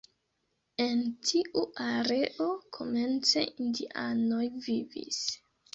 En tiu areo komence indianoj vivis.